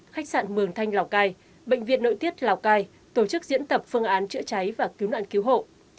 khách sạn mường thanh lào cai bệnh viện nội tiết lào cai tổ chức diễn tập phương án chữa cháy và cứu nạn cứu hộ